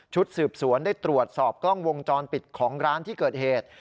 สืบสวนได้ตรวจสอบกล้องวงจรปิดของร้านที่เกิดเหตุ